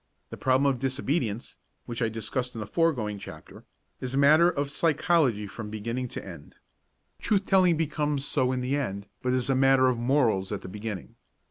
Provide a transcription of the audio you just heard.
The problem of disobedience, which I discussed in a foregoing chapter, is a matter of psychology from beginning to end. Truth telling becomes so in the end but is a matter of morals at the beginning.